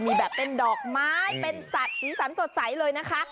มีแบบเป็นดอกไม้เป็นสัตว์สีสันสดใสเลยนะคะ